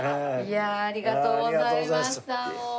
ありがとうございましたもう。